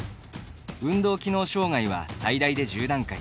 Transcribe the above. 運動機能障がいは最大で１０段階。